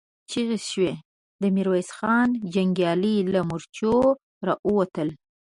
چيغې شوې، د ميرويس خان جنګيالي له مورچو را ووتل.